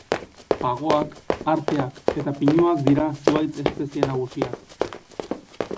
Pagoak, arteak eta pinuak dira zuhaitz-espezie nagusiak.